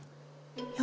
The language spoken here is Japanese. いや。